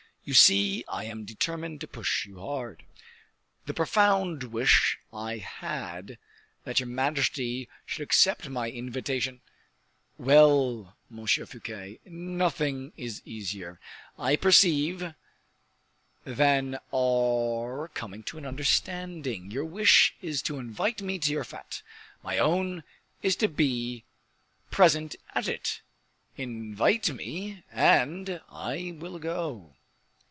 You see I am determined to push you hard." "The profound wish I had that your majesty should accept my invitation " "Well, Monsieur Fouquet, nothing is easier, I perceive, than our coming to an understanding. Your wish is to invite me to your fete, my own is to be present at it; invite me and I will go."